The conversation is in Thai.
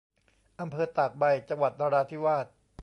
อำเภอตากใบ จังหวัดนราธิวาส